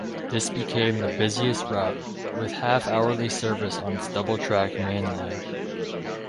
This became the busiest route, with half-hourly service on its double-track main line.